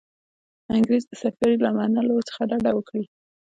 انګرېز د سفیر له منلو څخه ډډه وکړي.